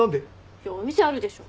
いやお店あるでしょ。